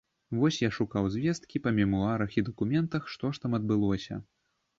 Вось я шукаў звесткі па мемуарах і дакументах, што ж там адбылося.